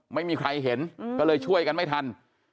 ไม่มีใครเห็นก็เลยช่วยกันไม่ทัน